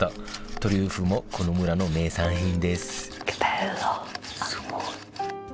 トリュフもこの村の名産品です